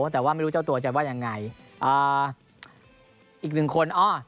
แต่ว่าไม่รู้เจ้าตัวจะว่ายังไงอีกหนึ่งคน